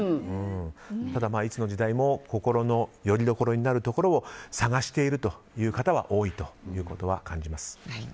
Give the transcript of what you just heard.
ただ、いつの時代も心のよりどころになるところを探しているという方は多いということは感じます。